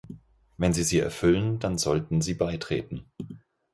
Wenn sie sie erfüllen, dann sollten sie beitreten.